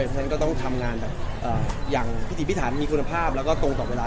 เพราะฉะนั้นก็ต้องทำงานอย่างพฤษฐานมีคุณภาพและตรงต่อเวลา